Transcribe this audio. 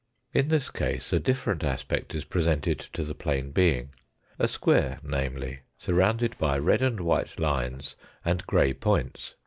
In this case a different aspect is presented to the plane being, a square, namely, surrounded by red and white lines and grey points.